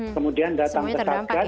kemudian datang ke satgas